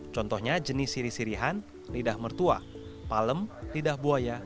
contohnya jenis siri sirihan lidah mertua palem lidah buaya